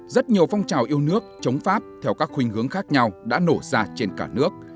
rất nhiều phong trào yêu nước chống pháp theo các khuyên hướng khác nhau đã nổ ra trên cả nước